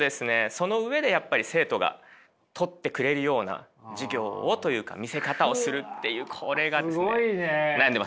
その上でやっぱり生徒がとってくれるような授業をというか見せ方をするというこれがですね悩んでます。